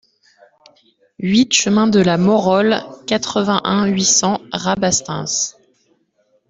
huit chemin de la Maurole, quatre-vingt-un, huit cents, Rabastens